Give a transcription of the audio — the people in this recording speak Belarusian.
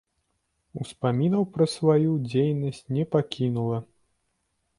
Успамінаў пра сваю дзейнасць не пакінула.